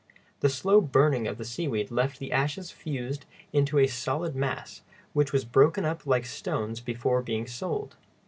The slow burning of the seaweed left the ashes fused into a solid mass, which was broken up like stone before being sold.